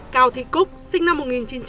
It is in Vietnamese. cao thị cúc sinh năm một nghìn chín trăm chín mươi